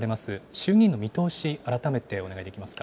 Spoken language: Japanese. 衆議院の見通し、改めてお願いできますか。